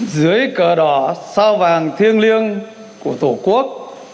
dưới cờ đỏ sao vàng thiêng liêng của tổ quốc